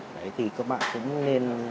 đấy thì các bạn cũng nên